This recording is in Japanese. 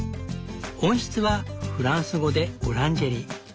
温室はフランス語でオランジェリー。